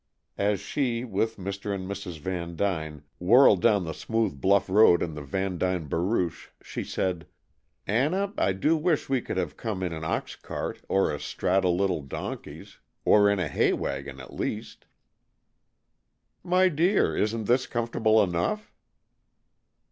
As she, with Mr. and Mrs. Vandyne, whirled down the smooth bluff road in the Vandyne barouche, she said: "Anna, I do wish we could have come in an ox cart, or a straddle little donkeys, or in a hay wagon, at least." "My dear! Isn't this comfortable enough?"